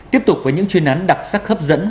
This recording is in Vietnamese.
tiếp tục với những chuyên án đặc sắc hấp dẫn